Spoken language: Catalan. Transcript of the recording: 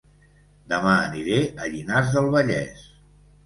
Dema aniré a Llinars del Vallès